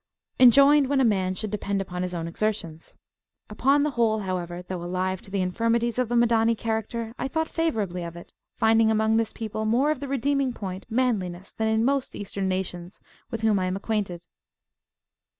enjoined when a man should depend upon his own exertions. Upon the whole, however, though alive to the infirmities of the Madani character, I thought favourably of it, finding among this people more of the redeeming point, manliness, [p.22]than in most Eastern nations with whom I am acquainted.